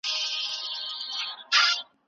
سياست يوازې د ځينو کسانو کار نه دی.